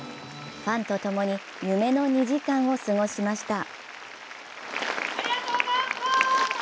ファンと共に夢の２時間を過ごしました。